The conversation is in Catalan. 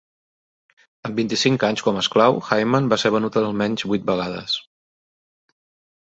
En vint-i-cinc anys com a esclau, Hyman va ser venut almenys vuit vegades.